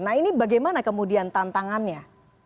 nah ini bagaimana kemudian tantangannya